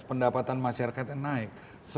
pendapatan masyarakat yang naik